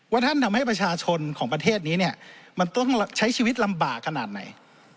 ท่านทำให้ประชาชนของประเทศนี้เนี่ยมันต้องใช้ชีวิตลำบากขนาดไหน